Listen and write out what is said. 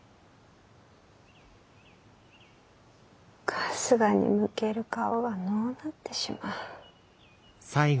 春日に向ける顔がのうなってしまう。